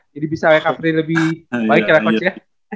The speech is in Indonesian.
jadi bisa recovery lebih baik ya coach ya